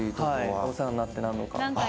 お世話になって、何度か。